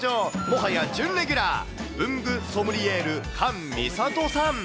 もはや、準レギュラー、文具ソムリエール、菅未里さん。